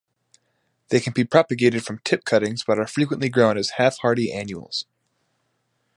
They can be propagated from tip cuttings, but are frequently grown as half-hardy annuals.